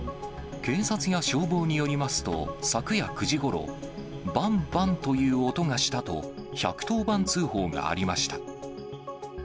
警察や消防によりますと、昨夜９時ごろ、ばんばんという音がしたと、１１０番通報がありました。